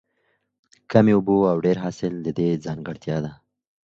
کمې اوبه او ډېر حاصل د دې ځانګړتیا ده.